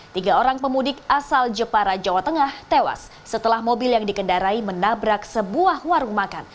tiga orang pemudik asal jepara jawa tengah tewas setelah mobil yang dikendarai menabrak sebuah warung makan